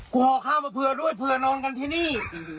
ขอข้าวมาเผื่อด้วยเผื่อนอนกันที่นี่